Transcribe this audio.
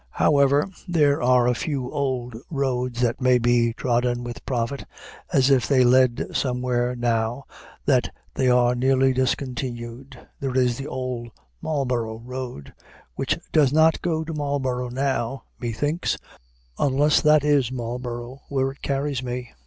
However, there are a few old roads that may be trodden with profit, as if they led somewhere now that they are nearly discontinued. There is the Old Marlborough Road, which does not go to Marlborough now, methinks, unless that is Marlborough where it carries me.